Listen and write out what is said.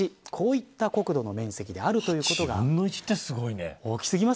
こういった国土の面積であるということです。